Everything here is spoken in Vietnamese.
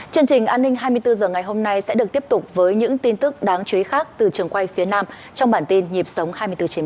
chương trình an ninh hai mươi bốn h ngày hôm nay sẽ được tiếp tục với những tin tức đáng chú ý khác từ trường quay phía nam trong bản tin nhịp sống hai mươi bốn h một mươi